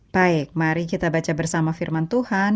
baik mari kita baca bersama firman tuhan